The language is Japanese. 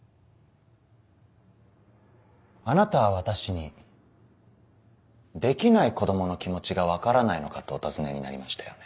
あなたは私に「できない子供の気持ちが分からないのか」とお尋ねになりましたよね。